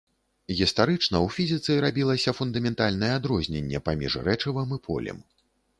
Гістарычна ў фізіцы рабілася фундаментальнае адрозненне паміж рэчывам і полем.